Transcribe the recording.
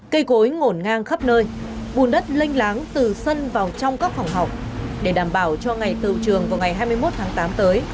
cây cối ngổn ngang khắp nơi bùn đất lênh láng từ sân vào trong các phòng học để đảm bảo cho ngày tự trường vào ngày hai mươi một tháng tám tới